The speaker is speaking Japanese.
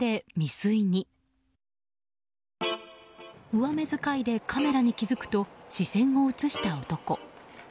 上目づかいでカメラに気付くと視線を移した男。